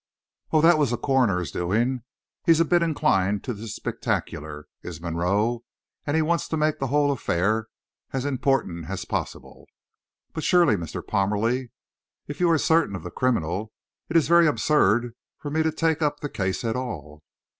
"Oh, that was the coroner's doing. He's a bit inclined to the spectacular, is Monroe, and he wants to make the whole affair as important as possible." "But surely, Mr. Parmalee, if you are certain of the criminal it is very absurd for me to take up the case at all."